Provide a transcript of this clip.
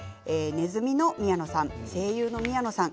ねずみの宮野さん声優の宮野さん